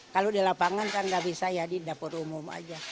kalau di lapangan kan nggak bisa ya di dapur umum aja